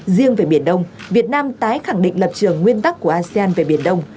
riêng về biển đông việt nam tái khẳng định lập trường nguyên tắc của asean về biển đông